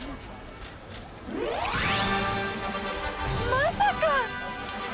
まさか！